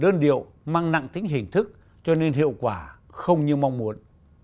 đơn điệu mang nặng tính hình thức cho nên hiệu quả không như mong muốn